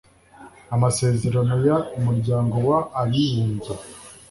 amasezerano y Umuryango w Abibumbye